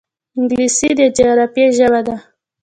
انګلیسي د جغرافیې ژبه ده